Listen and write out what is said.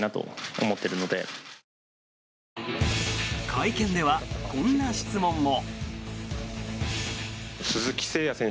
会見では、こんな質問も。